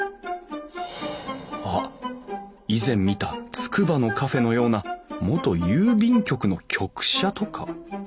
あっ以前見たつくばのカフェのような元郵便局の局舎とか？